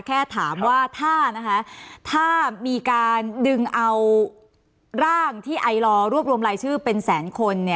แค่ถามว่าถ้ามีการดึงเอาร่างที่ไอลอร์รวบรวมรายชื่อเป็นแสนคน